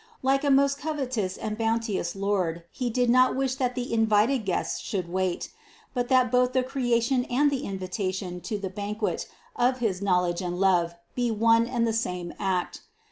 Like a most courteous and bounteous Lord He did not wish that the invited guests should wait, but that both the creation and the invitation to the ban quet of his knowledge and love be one and the same act.